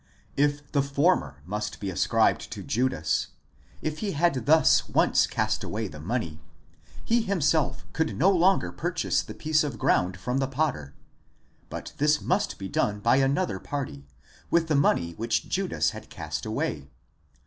If the former must be ascribed to Judas, if he had thus once cast away the money, he himself could no longer pur chase the piece of ground from the potter, but this must be done byanother party,. with the money which Judas had cast away.